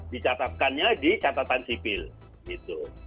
dicatatkannya di catatan sipil gitu